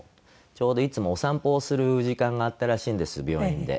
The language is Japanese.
ちょうどいつもお散歩をする時間があったらしいんです病院で。